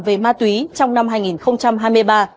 về ma túy trong năm hai nghìn hai mươi ba